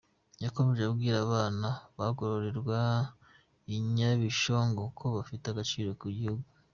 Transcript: Yakomeze abwira abana bagororerwa i Nyabishongo ko bafite agaciro ku gihugu.